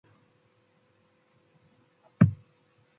Nëbimbo chuendabi